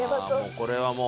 これはもう。